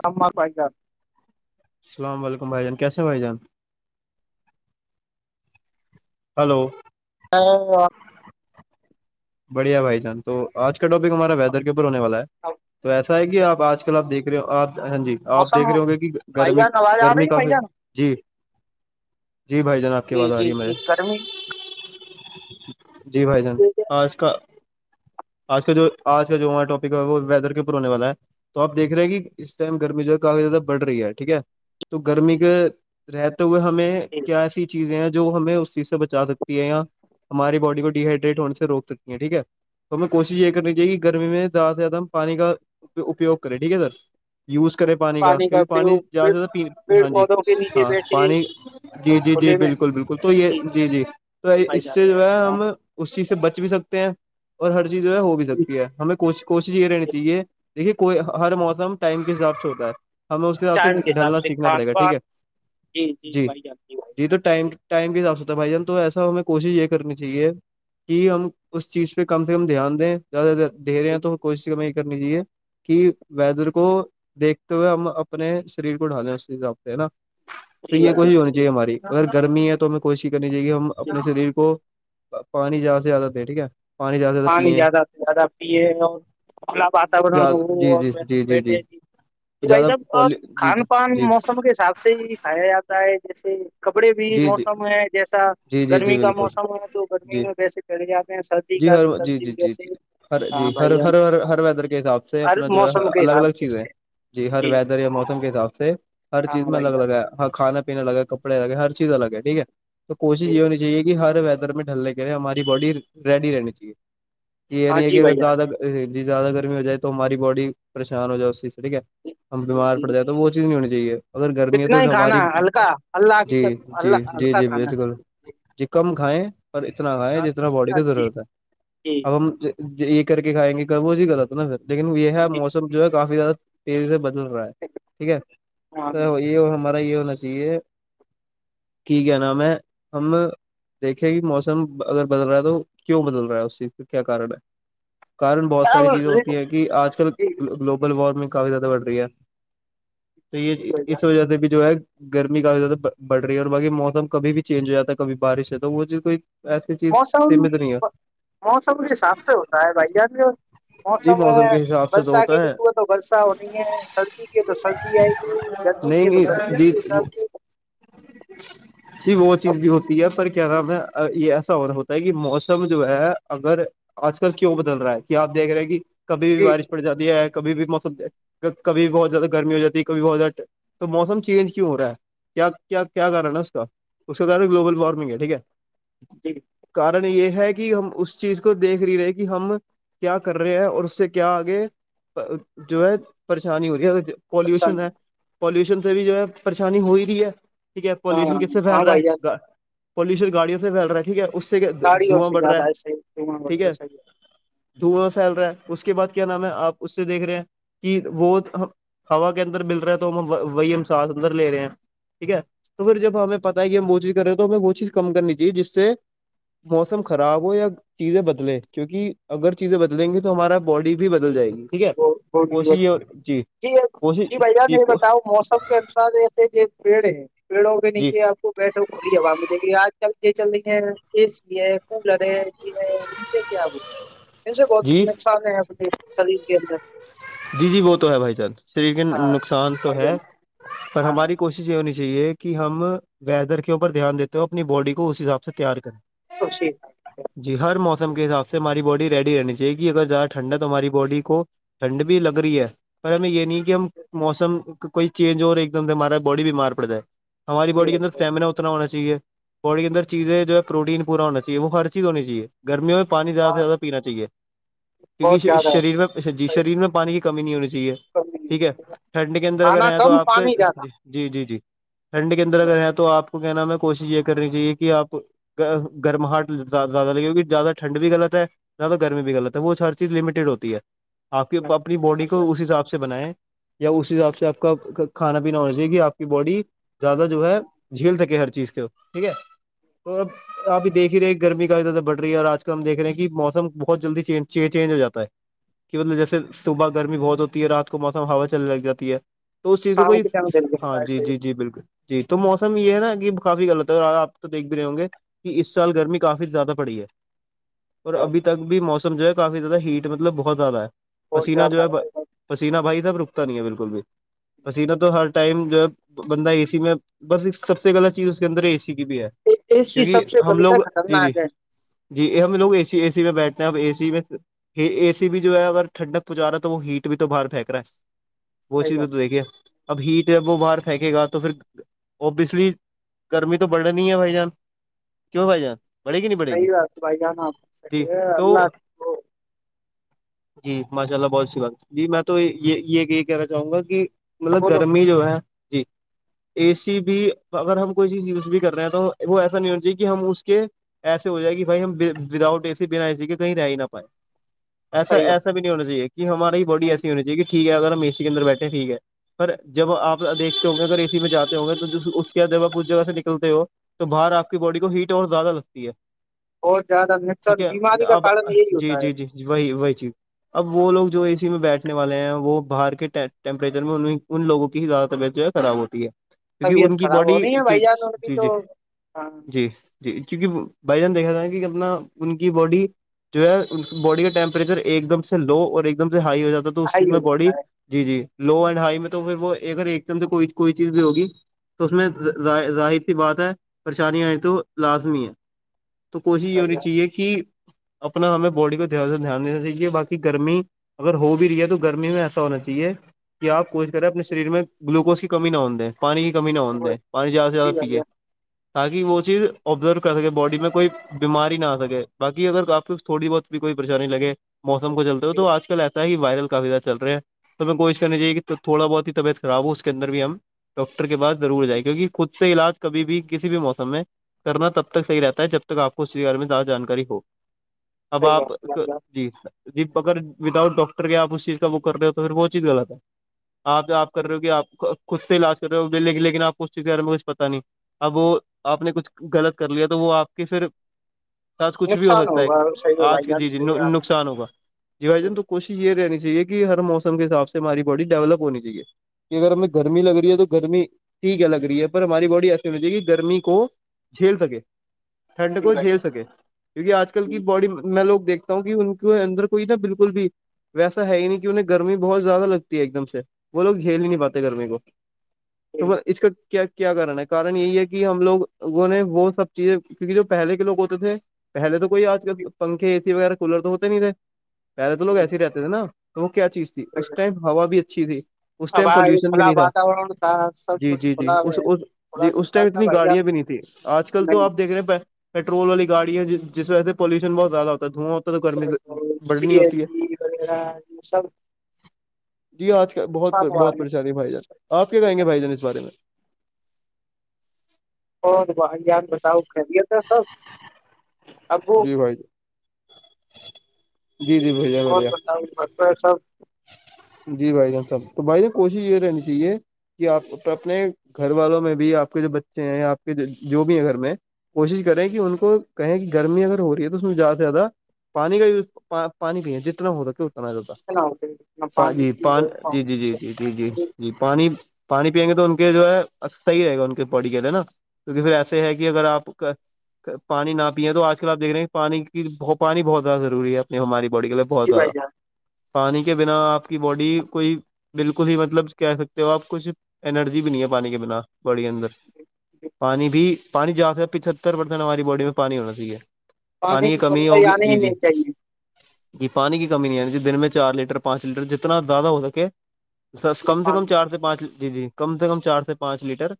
کما پائ جات السلام علیکم بائی جان کیاس ہیں بھائی جان ہلو تو بڑھیا بھائی جان تو آج کا ٹاپک ہمارا ویدر کے اوپر ہونے والا ہے تو ایسا گ آپ آج کل آپ دیکھ رہے ہو آپ ہاں جی آپ موسم دیکھ رہے ہوں گے کہ بھائی گرمی جان آواز آ گرمی رہی بھائی کافی ہے جان جی جی بھائی جان آپ کی جی باز آ رہی جی ہے مجے جی گرمی جی بھائی جان بھی، آج کا آج کا جو آج کا جو ہمارا ٹاپک ہے وہ ویدر کے اوپر ہونے والا ہے تو آپ دیکھ رہے ہیں کہ اس ٹائم گرمی جو ہے کافی زیادہ بڑھ رہی ہے ٹھیک ہے تو گرمی کے رہتے ہوئے ہمیں کیا ایسی چیزیں ہیں جو ہمیں اس چیز سے بچا سکتی ہے یا ہماری باڈی کو ڈییہائڈریٹ ہونے سے روک سکتی ہیں ٹھیک ہے تو ہمیں کوشش یہ کرنی چاہے کہ گرمی میں زیادہ سے زیادہ ہم پانی کا اپپیوگ کرے ٹھیک ہے سر یوز کرے پانی کا کیونکہ پانی زیاد سے پی ہاں جی پودوں کے نیچے ہاں بیٹھے پانی جی جی جی کھلے میں بالکل بالکل تو یہ جی جی تو بھائی اس جان سے جو ہے ہاں ہم اس چیز سے بچ بھی سکتے ہیں اور ہر چیز جو ہے ہو بھی سکتی ہے ہمیں کو کوشش یہ رہنی چاہیے دیکھیے کوئی ہر موسم ٹائم کے حساب سے ہوتا ہے ہمیں اس کے حساب سے ٹائم حساب ڈھلنا سے سیکھنا پڑے کھان گا ٹھیک ہے پان جی بھائی جان بھائی جی تو ٹم جان ٹائم کے حساب سے ہوتا بھائی جان تو ایسا ہمیں کوشش یہ کرنی چاہیے کہ ہم اس چیز پہ کم سے کم دھیان دیں زیادہ دے رہے جی ہیں تو کوشش کم کرنیجیے کہ ویدر کو دیکھتے ہوئے ہم اپنے شریر کو ڈھالنے اسیز آپتے ہے نا تو جی یہ بھائی کوشش جان ہونی جی چاہیے ہماری اگر گرمی ہے تو ہمیں کوشش کرنی چاہیے کہ ہم جی اپنے شریر کو پانی زیادہ سے زیادہ د ٹھیک ہے پانی زیادہ سے پانی پیئیں زیادہ سے زیادہ پیے اور کلا واتورن ہو جی اور جی وسن جی جی جی بیٹھے ج جی بھائی زیادہ صب اب پلی جی جی کھان پان جی موسم کے حساب سے ہی کھایا جاتا ہے جیسے کپڑے بھی جی جی موسم میں جیسا جی جی جی گرمی کا بالکل موسم ہے تو گرمی جی میں ویسے پڑ جاتے ہیں سردی جی کا ہر تو جی سردی جی میں جی ویسے جی ہر ہاں جی ہر بھائی جان ہر ہاں ہر ویدر کے حساب سے ہر اپنا جو ہے موسم کے الگ الگ حساب سے چیزیں سے جی ہر ویدر یا موسم کے حساب سے ہر چیز ہاں میں الگ بھائی الگ ہے ہاں کھانا پینا الگ ہے کپڑے الگ ہے ہر چیز الگ ہے ٹھیک ہے تو کوش جان یہ ہونی چاہیے کہ ہر ویدر میں ڈھلنے کے ہماری باڈی ریڈی رہنی چاہیے کہ یہ ہاں نہیں ہے جی کہ اگر بھائی جان زیادہ جی زیادہ گرمی ہو جائے تو ہماری باڈی پریشان ہو جائے اسی سے ٹھیک ہے ہم جی بیمار پڑ جی جائے تو وہ چیز نہیں ہونی چاہیے اگر گرمی ہے تو کتنا ہی کھانا ہماری ہلکا اللہ جی کی جی اللہ جی ہلکا جی کھانا بالکل ہے ج کم کھائیں اور اتنا کھائیں جتنا باڈی کی جی ضرورت ہے جی ا یہ کر کے کھائیں گے وہ ہی غط ہے ناھر لیکن یہ ہے جی موسم جو ہے کافی زیادہ تیزی سے بدل رہا ہے ٹھیک ہے ہاں تو یہ ہمارا یہ ہونا چاہیے کی کہ ن میں ہم دیکھے کہ موسم اگر بدل رہا ہے تو کیوں بدل رہا ہے اس چیز کا کیا کن ہے ارن بہت ساری چیزیں ہوتی ہیں کہ آج کل گلوبل وارمنگ کافی زیادہ بڑھ رہی ہے تو یہ اس وجہ سے بھی جو ہے گرمی کافی زیادہ بڑھ رہی رہی اور باقی موسم کب بھی چینج ہو جاتا ہے کب بارش ہے تو وہ چیز کوئی ایسی چیز موسم سیمت نہیں ہے موسم کے حساب سے ہوتا ہے بھائی جب یہ جی موسم کے حساب سے تو بلسا ہوتا گ ہے د ہو تو بلساؤ نہیں سری یک ہے تو سردی آئے گی گرمی کی ہے تو گرمی کے حساب سے ا [inaudible] جی وہ اب چیز بھی ہوتی ہے پر کیا نام ہے یہ ایسا ہونا ہوتا ہے کہ موسم جو ہے اگر آج کل کیوں بدل رہا ہے کہ آپ دیکھ رہے ہیں کہ کبھی بھی جی بارش پڑ جاتی ہے کبھی بھی موسم کبھی بھی بہت زیادہ گرمی ہو جاتی ہے کبھی بہت زیادہ تو موسم چینج کیوں ہو رہا ہے کیا کیا کیا کارن ہے اس کا اس کا کارن گلوبل وارمنگ ہے ٹھیک ہے جی [inaudible] کارن یہ ہے کہ ہم اس چیز کو دیکھ رہی رہے کہ ہم کیا کر رہے ہیں اور اس سے کیا آگے جو ہے پریشانی ہو رہی ہے اچھا پالوشن ہے پولوشن سے بھی جو ہے پریشانی ہو رہی ہے ٹھیک ہے ہاں پولوشن کس سے پھیل ہاں رہا بھائی جان ہے پولوشن گاڑیوں سے پھیل رہا ہے ٹھیک ہے اس سے کہ گاڑیوں دواں سے بڑھ رہا ہے زیادہ ایسے دھواں ٹھیک وغیرہ ہے صحیح دھواں پھیل رہا ہے اس کے بعد کیا نام ہے آپ اس سے دیکھ رہے ہیں کہ وہ ہوا کے اندر مل رہا ہے تو ہم وہی ہم ساتھ اندر لے رہے ہیں ٹھیک ہے تو پھر جب ہمیں پتا ہے کہ ہم وہ چیز کرے ہیں تو ہمیں وہ چیز کم کرنی چاہی جس سے موسم خراب ہو یا چیزیں بدلے کیونکہ اگر چیزیں بدلیں گی تو ہمارا باڈی بھی بدل جائے گی ٹھیک ہے ب ب کوشش یہ جی جی کوشش بھیا جی یہ بتاؤ موسم [inaudible] کے انسار ایسے پیڑ ہیں پیڑوں کے جی نیچے آپ کو بیٹو کھلی ہوا مجھے آج کل یہ چل رہی ہے لیے س لڑے جی ان سے کیا ہو ہے ان سے بہت ہی جی نقصان ہے اپنے شریر کے اندر [inaudible] جی جی وہ تو ہے بھائی چان شریر کے ہاں نقصان تو بھائی ہے جان پر ہاں ہماری کوشش ہونی چاہیے کہ ہم ویدر کے اوپر دھیان دیتے ہو اپنی باڈی کو اس حساب سے تیار کریں خشی [inaudible] جی ہر موسم کے حساب سے ہماری باڈی ریڈی رہنی چاہےی اگر زیادہ ٹھنڈا تو ہماری باڈی کو ٹھنڈ بھی لگ رہی ہے پر ہمیں یہ نہیں کہ ہم موسم کوئی چینج ہو رہا ایک دم سے ہمارا بڈی بیمار پڑ ج ہے ہماری جی بڈی کےدر بھائی جان، اسٹیمینا ہو نا ہونا چاہیے باڈی کے اندر چیزیں جو ہے پروٹین پورا ہونا چاہیے وہ ہر چیز ہونی چاہیے گرمیوں میں پانی زیادہ ہاں سے زیادہ پینا چاہیے بہت کیونکہ زیادہ شریر میں جی صحیح، شریر میں پانی کی کمی نہیں ہونی چاہیے ٹھیک ہے ٹھنڈ کے اندر اگر کھانا ہیں تو کم آپ کے پانی زیادہ جی جی جی جی ٹھنڈے کے اندر جی اگر بھائی ہے تو آپ کو کیا نام ہے کوشش یہ کرنی چاہیے کہ آپ گرم ہاٹ زیادہ لگے کیکہ زیادہ ٹھڈ بھی غلط ہے زیادہ گرمی میں بھی غلط ہے وہ ہر چیز لمیٹیڈ ہوتی ہے آپ کی جی بھائی اپنی باڈی بھائی کو جان، اس حساب سے بنائیں یا اس حساب سے آپ کا کھانا پینا ہونا چاہی کہ آپ کی باڈی زیادہ جو ہے جھیل سک ہر چیز کے ٹھیک ہے تو اب ابھی دیک ہی رہے گرمی کا بھی زیادہ بڑ رہی ہے اور آج کل ہم دیکھے ہیں کہ موسم بہت جلدی چینج ہو جاتا ہے کہ مطلب جیسے صبح گرمی بہت ہوتی ہے رات کو موسم ہوا چلنے لگ جاتی ہے تو اس چیز کا شام کوئی کے ٹائم دل ہاں جلتا ہے جی صحیح جی جی بالکل جی تو موسم یہ ہے نا کہ کافی غط ہے اور آ آپ تو دیکھ بھی رہے ہوں گے کہ اس سال گرمی کافی زیادہ پڑی ہے اور ہے، ابھی تک بھی موسم جو ہے کافی زیادہ ہیٹ مطلب بہت زیادہ ہے بہت پسینہ جو ہے زیادہ پسینہ بھائی تھاب رکتا نہیں ہے بالکل بھی پسینہ تو ہر ٹائم جو ہے بندہ اے سی میں بس سب سے غلط چیز اس کے اندر اے سی کی بھی ہے اے سی کیکہ سب سے ہم غلط ہے لوگ جی جی خطرناک ہے جی یہ ہم لوگے سی اے سی میں بیٹھتے ہیں اب اے سی میں یہ اے سی بھی جو ہے اگر ٹھنڈک پہنچا رہا تو وہ ہیٹ بھی تو باہر پھینک رہا ہے وہ صحیح چیز میں بات تو دیکھیے اب ہیٹ ہے وہ باہر پھینکے گا تو پھر اور بچلی گرمی تو بڑھنی ہے بھائی جان کیوں بھائی جان بڑھے گی نہیں بڑھے گی صئیو آ بائی جان آ جی تو اللہ آ [inaudible] جی ماشاء اللہ بہت سی بات جی میں تو یہ یہ یہی کہنا چاہوں گا کہ مطلب بولو گرمی جو ہے جی اے سی بھی اگر ہم کوئی چیز یوز بھی کر رہے ہیں تو وہ ایسا نہیں ہونا چاہیے کہ ہم اس کے ایسے ہو جائے کہ بھائی ہم وداؤٹ ا سی بنا چیے کہیں رہ ہی نہ پائے ایسا صحیح بات ایسا بھی نہیں ہونا چاہے کہ ہماری بڈی نہیں، ایسی ہونی چاہی کہ ٹھیک ہے اگر ہم میشی کے انر بیٹھے ٹھیک ہے پر جب آپ دیکھتے ہوں گے اگر اے سی میں جاتے ہوں گے تو اس کے جگہ پ جگہ سے نکلتے ہو تو باہر آپ کی باڈی کو ہیٹ اور زیادہ لگتی ہے بہت زیادہ نچر ٹھیک ہے بیماری کا اب کن یہی جی ہوتا جی جی ج وہی وہی چیز اب وہ ہے لوگ جو اےی میں بیٹھنے والے ہیں وہ باہر کے ٹیمپریچر میں ان لوگوں کی ہی زیادہ طبیعت جو ہے خراب ہوتی ہے کیونکہ ان طبیعت کی خراب باڈی ہو رہی ہے کی بھائی جان ان کی جی جی تو ہاں جی جی چونکہ بائی جان دیکھا رہ ہے کہ اپنا ان کی باڈی جو ہے باڈی کا ٹیمپریچر ایک دم سے لو اور ایک دم سے ہائی ہو جاتا تو اس چیز ہی ہو میں باڈی جاتا ہے جی جی لو اینڈ ہائی میں تو پھر وہ اگر ایک دم سے کوئی کوئی چیز بھی ہوگی تو اس میں ظاہر سی بات ہے پریشانییا آ تو لازمی ہے تو کوشش یہ بھائی ہونی جان۔ چاہیے کہ کہ اپنا ہمیں باڈی کوا دھیان دینا چاہیے باقی گرمی اگر ہو بھی رہی ہے تو گرمی میں ایسا ہونا چاہیے کیا آپ کوشش کریں اپنے شریر میں گلوکوز کی کمی نہ ہوں دیں پانی کی کمی نہ ہو د پانی زیادہ سے زیادہ جی بھائی پیے جان تاکہ وہ چیز آبزرو کر سکے باڈی میں کوئی بیماری نہ آ سکے باقی اگر کافی تھوڑی بہت بھی کوئی پریشانی لگے موسم کو چلتے ہو جی تو جی، آج کل ایسا وائرل کافی زیادہ چل رہے ہیں تو ہمیں کوشش کرنی چاہے کہ تھوڑا بہت ہی طبع خراب ہو اس کے اندر بھی ہم ڈاکٹر کے پاس ضرور جائے کیونکہ خود سے علاج کبھی بھی کسی بھی موسم میں کرنا تب تک صحیح رہتا ہے جب تک آپ کو اس کے بارے میں زیادہ جانکاری ہو اب صحیح آپ بات ہے بھائی جان جی سر جی اگر وداؤٹ ڈاکٹر کیا آپ اس چیز کا وہ کر رہے ہو تو پھر وہ چیز غلط ہے آپ آپ کر رہ صحیح ہو کہ آپ خود سے علاج کر رہے ہوے ل لیکن آپ کو اسیز کے بارے میں کچھ پتا نہیں اب وہ آپ نے کچھ غلط کر لیا تو وہ آپ کے پھر آج کچھ بھی ہو نقصان سکتا ہے ہوگا صحیح ہے آج بھائی جان جی جی صحیح ہے آپ کی۔ نقصان ہوگا جی بھائی جان تو کوشش یہ رہنی چاہیے کہ ہر موسم کے حساب سے ہماری باڈی ڈیولپ ہونی چاہیے کہ اگر ہمیں گرمی لگ رہی ہے تو گرمی ٹھیک ہے لگ رہی ہے پر ہماری باڈی ایسسی ہوتی کہ گرمی کو جھیل سکے ٹھنڈ جی کو بھائی جھیل جان سکے کیونکہ آج کل جی تو باڈی میں لو دیکھتا ہوں کہ ان کے اندر کوئی نا بالکل بھی ویسا ہے ہی نہیں کہ انہیں گرمی بہت زیادہ لگتی ہے ایک دم سے وہ لوگ جھیل نہیں پاتے گرمی کو تو جی، وہ اس کا کیا کیا کارن ہے کن یہی ہے کہ ہم لوگوں نے وہ سب چیزیں کیونکہ جو پہلے کے لوگ ہوتے تھے پہلے تو کوئی آج جی، کل پنکھے اے سی وغیرہ کولر تو ہوتے نہیں تھے پہلے تو لوگ ایسے ہی رہتے تھے نا تو وہ کیا چیز تھی بھائی اس جان۔ ٹائم ہوا بھی اچھی تھی اس اب ٹائم آج پالوشن بھی کھلا نہیں تھا واتاورن تھا سب جی کچھ جی جی کھلا اس تھوڑا جی اس ملتا تھا اتنی بھائی جان گاڑیاں بھی نہیں تیں آج کل تو نہیں آپ دیکھ رہے پٹرول والی گای جس وہ سے پالوشن بہتیادہ ہوتا دھواںں تو گرمی سی بڑھنی این ہوتی ہے جی وغیرہ یہ سب جی آج کل بہت نقصان ہوا بہت پریشانی ہے بھائی جان آپ کیا کہیں گے بھائی جان اس بارے میں اور بہنجان بتاؤ خیرییت ہے سب ابو جی بھائی جی جی جی بھیا اور بڑھیا بتاؤ ب ہے سب جی بھائی جان سب تو بھائی جان کوشش یہ رہنی چاہیے کہ آپ اپنے گھر والوں میں بھی آپ کے جو بچے ہیںیا آپ کے جو بھی ہے گھر میں کوشش کریں کہ ان کو کہیں کہ گرمی اگر ہو رہی ہے تو اس میں زیادہ سے زیادہ پانی کا پانی پیے جتنا ہوتا کہ اتنا جتا [unintelligible] پ جی کی پان اور جی پانی جی کی جی جی جی جی شہر۔ جی پانی پانی پئیں گے تو ان کے جو ہے صحی رہے گا ان کے باڈی کے لیے نا کیونکہ پھر ایسے ہے کہ اگر آپ پانی نہ پیے تو آج کل آپ دیک رہے ہیں پانی کی پانی بہت زیادہ ضروری ہے اپنی ہماری باڈی کے لیے بہت جی زیادہ بھائی جان پانی کے بنا آپ کی باڈی کوئی بالکل ہی مطلب کہہ سکتے ہو آپ کچھ انرجی بھی نہیں ہے پانی کے بنا باڈی اندر پانی بھی پانی جیاد پچہتر پرسینٹ ہماری باڈی میں پانی ہونا چاہیے پانی کی کمی کمتائی ہوگی آنی ہی جی جی نہیں چاہیے جی پانی کی کمی نہیں ہے ن جی دن میں چار لیٹر پانچ لیٹر جتنا زیادہ ہو سکے [unintelligible] سر اتنا کم سے کم پانی چار سے پانچ جی جی کم سے کم چار سے پانچ لیٹر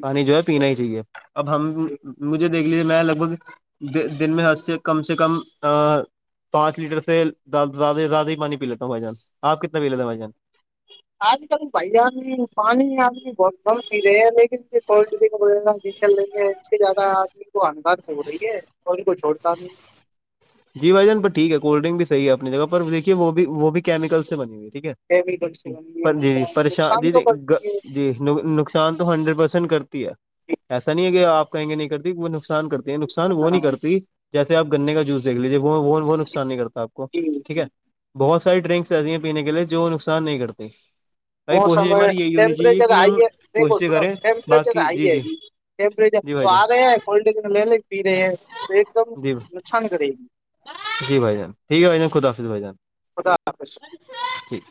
پانی جو ہے پینا ہی چاہیے اب ہم جی مجھے دیکھ لیے میں لگ بھگ دن میں حد سے کم سے کم پانچ لیٹر سے زیادہ زیادہ ہی پانی پ لیتا ہوں بھائی جان آپ کتنا پی لیتے ہیں بھائی جان [unintelligible] آج کل بھیا نہیں پانی آدمی بہت کم پی رہے ہیں لیکن کوڈ دن ج چل رہی ہے اس سے زیادہ آدمی کو انداز سے ہو رہی ہے [unintelligible] تو کو چھوڑتا نہیں ہے جی بھائی جان ٹھیک ہے کولڈ ڈرنک بھی صح ہے اپنی جگہ پر دیکے وہ بھی وہ بھی کیمیکل سے بنی ہوئی ٹھیک ہے کیمیکل سے بنی جی ہے جی پریشان نقصان جی تو کرتی ہے جی نق [unintelligible] شان تو ہنڈریڈ پرسینٹ کرتی ہے ایسا نہیں ہے کہ آپ کہیں گے نہیں کرتی نقصان کرتی ہے نقصان وہ نہیں کرتی جیسے آپ گنے کا جوس دیکھ لیجیے وہ نقصان نہیں کرتا آ کو جی ٹھیک جی ہے بہت ساری ڈرنکس ایسی ہیں پینے کے لیے جو نقصان نہیں کرتی موسم ہے ٹمپریچر ہائی ہے دیکھو کوششیں سنو کریں ٹمپریچر باقی ہائی ہے جی ٹیریجر جی تو بھائی جان آ رہے ہے کوڈ ڈنک لے ل [unintelligible] پی رہے ہیں تو ایک دم جی نقصان کرے گی جی بھائی جان ٹھیک ہے بھائی جان خدا حافظ بھائی جان خدا حفش [unintelligible] ٹھیک